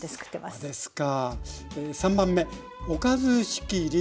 あそうですか。